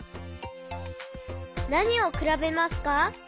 なにをくらべますか？